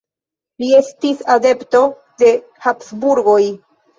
Li estis adepto de Habsburgoj.